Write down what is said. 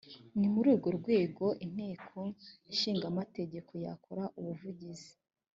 ni muri urwo rwego inteko ishingamategeko yakora ubuvugizi